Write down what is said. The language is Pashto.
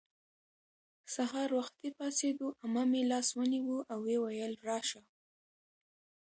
سهار وختي پاڅېدو. عمه مې لاس ونیو او ویې ویل:راشه